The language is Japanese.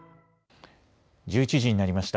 １１時になりました。